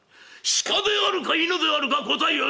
鹿であるか犬であるか答えよ」。